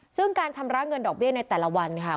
ซึ่งการชำระเงินดอกเบี้ยในแต่ละวันค่ะ